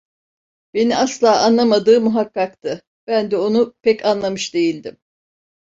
Beni asla anlamadığı muhakkaktı; ben de onu pek anlamış değildim.